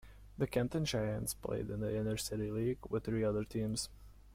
The Kenton Giants played in the Inter-City League with three other teams.